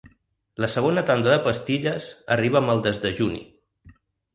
La segona tanda de pastilles arriba amb el desdejuni.